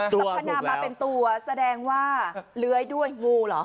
ตัวถูกแล้วสัพพนามาเป็นตัวแสดงว่าเหลือยด้วยงูเหรอ